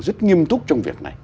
rất nghiêm túc trong việc này